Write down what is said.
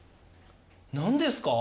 何ですか？